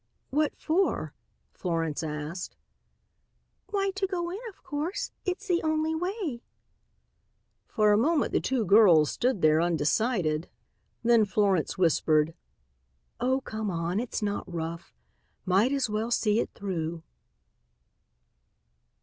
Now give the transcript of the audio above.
"What for?" Florence asked. "Why, to go in, of course. It's the only way." For a moment the two girls stood there undecided. Then Florence whispered: "Oh, come on. It's not rough. Might as well see it through."